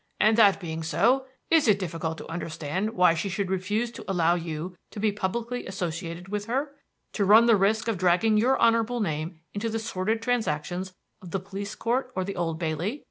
And that being so, is it difficult to understand why she should refuse to allow you to be publicly associated with her? To run the risk of dragging your honorable name into the sordid transactions of the police court or the Old Bailey?